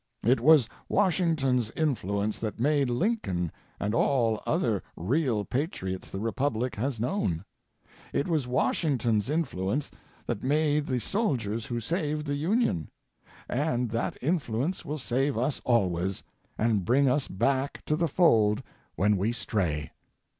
It was Washington's influence that made Lincoln and all other real patriots the Republic has known ; it was Washington's influence that made the soldiers who saved the Union; and that influence will save us always, and bring us back to the fold when we stray.